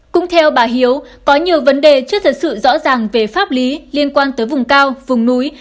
cũng theo bà hiếu có nhiều vấn đề chưa thật sự rõ ràng về pháp lý liên quan tới vùng cao vùng núi